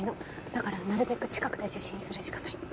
だからなるべく近くで受信するしかない。